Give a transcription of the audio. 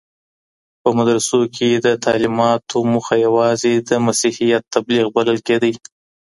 په مدرسو کي د تعليماتو موخه يوازې د مسيحيت تبليغ بلل کيده.